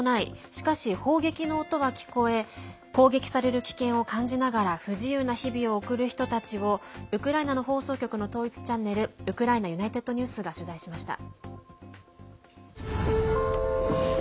しかし、砲撃の音は聞こえ攻撃される危険を感じながら不自由な日々を送る人たちをウクライナの放送局の統一チャンネルウクライナＵｎｉｔｅｄＮｅｗｓが取材しました。